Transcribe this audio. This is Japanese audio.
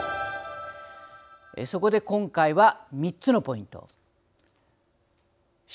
そこで今回は３つのポイント